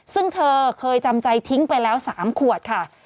ซึ่งเธอเคยจำใจทิ้งไปแล้ว๓ขวดค่ะ